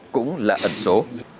cũng là ẩn số